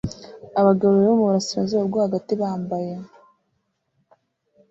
Abagabo babiri bo mu burasirazuba bwo hagati bambaye